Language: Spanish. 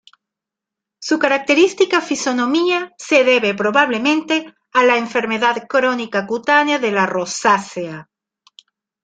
Su característica fisonomía se debe probablemente a la enfermedad crónica cutánea de la rosácea.